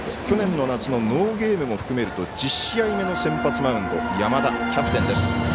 去年の夏のノーゲームも含めると１０試合目の先発マウンド山田、キャプテンです。